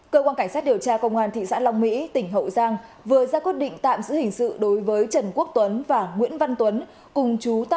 cơ quan cảnh sát điều tra công an thị xã long mỹ tỉnh hậu giang vừa ra quyết định tạm giữ hình sự đối với trần quốc tuấn và nguyễn văn tuấn cùng chú